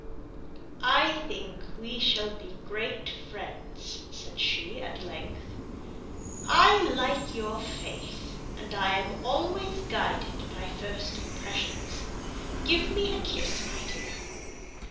"I think we shall be great friends," said she, at length. "I like your face, and I am always guided by first impressions. Give me a kiss, my dear."